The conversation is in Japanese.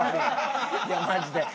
いやマジで。